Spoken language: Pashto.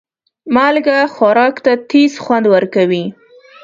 مالګه خوراک ته تیز خوند ورکوي.